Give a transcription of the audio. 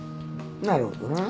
なるほどな。